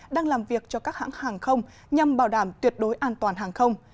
đang làm việc cho các hãng hàng không nhằm bảo đảm tuyệt đối an toàn hàng không